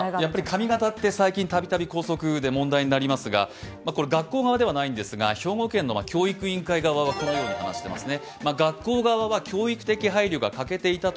髪形って最近度々校則で問題になりますが学校側ではないんですが兵庫県の教育委員会はこのように話していますね。